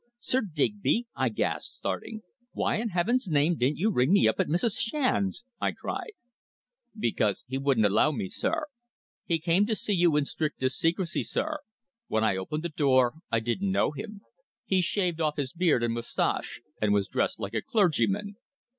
"Sir Digby!" I gasped, starting. "Why, in heaven's name, didn't you ring me up at Mrs. Shand's?" I cried. "Because he wouldn't allow me, sir. He came to see you in strictest secrecy, sir. When I opened the door I didn't know him. He's shaved off his beard and moustache, and was dressed like a clergyman."